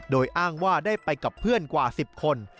โดยอ้างว่าได้ไปกับเพื่อนกว่า๑๐คน